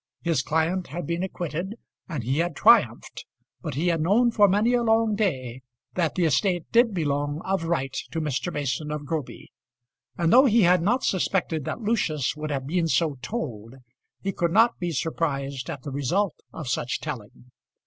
His client had been acquitted, and he had triumphed; but he had known for many a long day that the estate did belong of right to Mr. Mason of Groby; and though he had not suspected that Lucius would have been so told, he could not be surprised at the result of such telling.